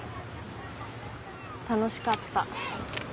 楽しかった。